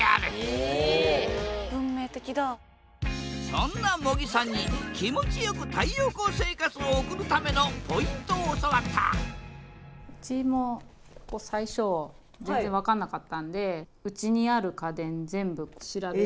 そんな茂木さんに気持ちよく太陽光生活を送るためのポイントを教わったうちも最初全然分かんなかったんでえすごっ。